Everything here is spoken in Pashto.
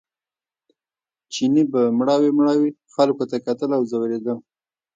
چیني به مړاوي مړاوي خلکو ته کتل او ځورېده.